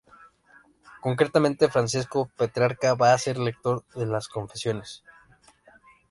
Concretamente, Francesco Petrarca va a ser lector de las "Confesiones".